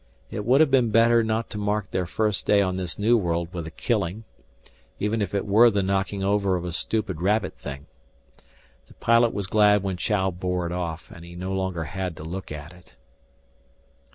It would have been better not to mark their first day on this new world with a killing even if it were the knocking over of a stupid rabbit thing. The pilot was glad when Chou bore it off and he no longer had to look at it.